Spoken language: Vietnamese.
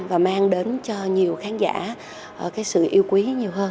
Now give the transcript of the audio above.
và mang đến cho nhiều khán giả cái sự yêu quý nhiều hơn